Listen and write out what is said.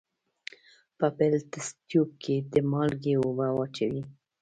په بل تست تیوب کې د مالګې اوبه واچوئ.